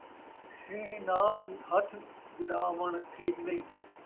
شین٘ہ نال ہتھ گݙاوݨ ٹھیک نئیں